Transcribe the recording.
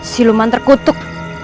si luman terkutuk